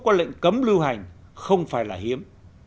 có lệnh cấm lưu hành không phải là hiếm